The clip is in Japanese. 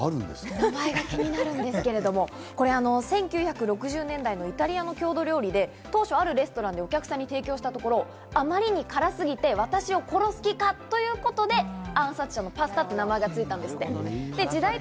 名前が気になるんですけど、１９６０年代イタリアの郷土料理で当初、あるレストランで料理を提供したところ、あまりにも辛すぎて、私を殺す気か？ということで、暗殺者のパスタと名付けられたそうなんです。